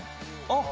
あっ！